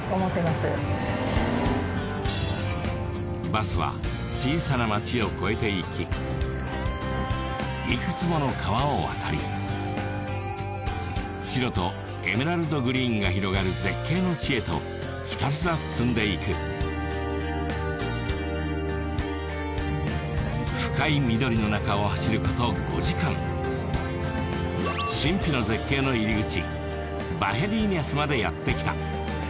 バスは小さな町を越えていきいくつもの川を渡り白とエメラルドグリーンが広がる絶景の地へとひたすら進んでいく深い緑の中を走ること５時間神秘の絶景の入り口バヘリーニャスまでやって来た